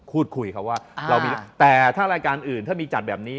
พูดคุยเขาว่าเรามีแต่ถ้ารายการอื่นถ้ามีจัดแบบนี้